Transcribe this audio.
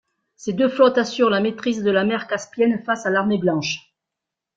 Ces deux flottes assurent la maîtrise de la mer Caspienne face à l'Armée Blanche.